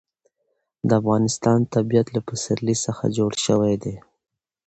د افغانستان طبیعت له پسرلی څخه جوړ شوی دی.